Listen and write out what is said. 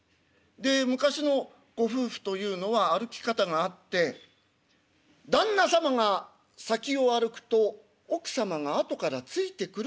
で昔のご夫婦というのは歩き方があって旦那様が先を歩くと奥様があとからついてくる。